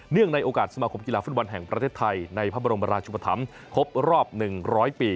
ในโอกาสสมาคมกีฬาฟุตบอลแห่งประเทศไทยในพระบรมราชุปธรรมครบรอบ๑๐๐ปี